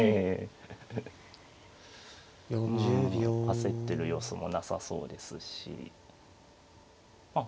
焦ってる様子もなさそうですしまあ